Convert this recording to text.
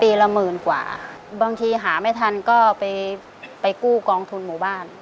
ละหมื่นกว่าบางทีหาไม่ทันก็ไปไปกู้กองทุนหมู่บ้าน